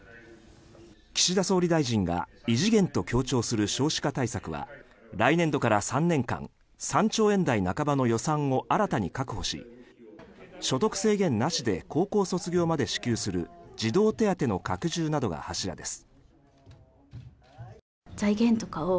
岸田総理大臣が異次元と強調する少子化対策は来年度から３年間３兆円台半ばの予算を新たに確保し、所得制限なしで高校卒業まで支給する児童手当の拡充などが柱です。